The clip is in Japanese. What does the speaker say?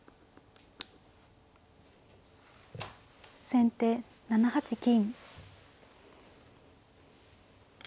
先手７八金。